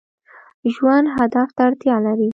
ژوند هدف ته اړتیا لري